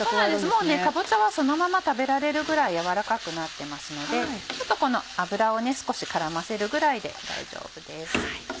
もうねかぼちゃはそのまま食べられるぐらい軟らかくなってますのでちょっとこの脂を少し絡ませるぐらいで大丈夫です。